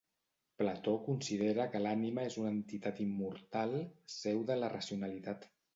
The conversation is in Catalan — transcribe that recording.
Plató considera que l'ànima és una entitat immortal, seu de la racionalitat.